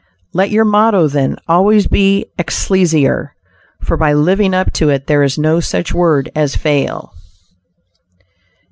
Let your motto then always be "Excelsior," for by living up to it there is no such word as fail.